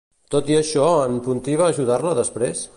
Tot i això, en Puntí va ajudar-la després?